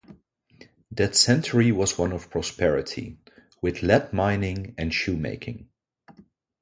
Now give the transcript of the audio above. That century was one of prosperity, with lead-mining and shoemaking.